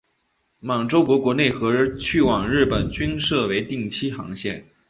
满洲国国内和去往日本均设为定期航线。